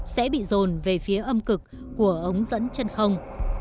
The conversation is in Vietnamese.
sẽ bị rồn về phía âm cực của ống dẫn chân không